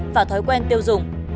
và thói quen tiêu dùng